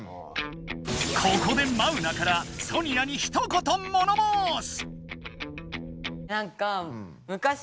ここでマウナからソニアにひとこと物申す⁉